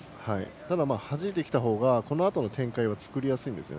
ただ、はじいてきたほうがこのあとの展開を作りやすいです。